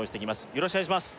よろしくお願いします